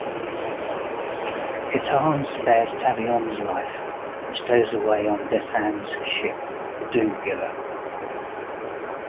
Katarn spares Tavion's life and stows away on Desann's ship, the "Doomgiver".